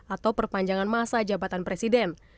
atau perpanjangan masa jabatan presiden